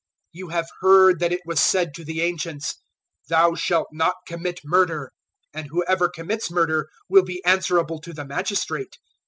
005:021 "You have heard that it was said to the ancients, `Thou shalt not commit murder', and whoever commits murder will be answerable to the magistrate.